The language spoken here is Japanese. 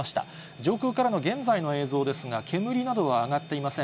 上空からの現在の映像ですが、煙などは上がっていません。